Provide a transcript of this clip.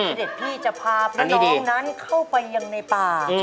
เสด็จพี่จะพาพี่น้องนั้นเข้าไปยังในป่า